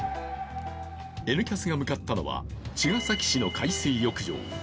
「Ｎキャス」が向かったのは茅ヶ崎市の海水浴場。